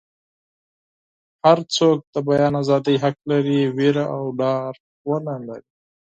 هر څوک د بیان ازادي حق لري ویره او ډار ونه لري.